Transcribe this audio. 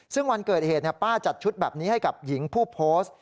ซึ่งวันเกิดเหตุป้าจัดชุดแบบนี้ให้กับหญิงผู้โพสต์